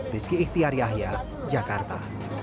peski ihtiar yahya jakarta